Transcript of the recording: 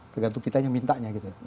tergantung kita yang mintanya